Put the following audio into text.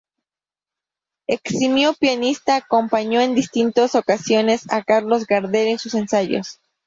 Eximio pianista acompañó en distintas ocasiones a Carlos Gardel en sus ensayos.